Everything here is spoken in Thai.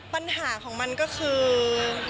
ปัญหาของมันก็คือ